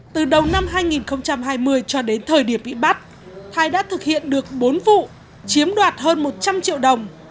từ đầu năm hai nghìn hai mươi cho đến thời điểm bị bắt thái đã thực hiện được bốn vụ chiếm đoạt hơn một trăm linh triệu đồng